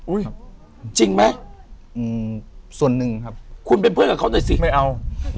จริงไหมอืมส่วนหนึ่งครับคุณเป็นเพื่อนกับเขาหน่อยสิไม่เอา